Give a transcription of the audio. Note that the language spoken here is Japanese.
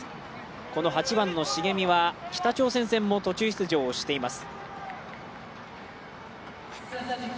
この８番の重見は北朝鮮戦も途中出場をしています。